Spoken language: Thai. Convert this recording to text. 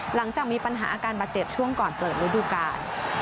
หลังจากมีปัญหาอาการบาดเจ็บช่วงก่อนเปิดฤดูกาล